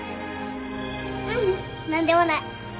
ううん何でもない。